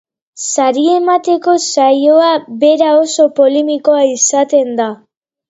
Saria emateko saioa bera oso polemikoa izaten da.